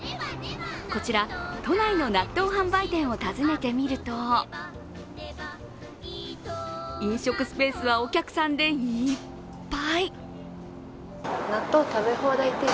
こちら、都内の納豆販売店を訪ねてみると、飲食スペースはお客さんでいっぱい。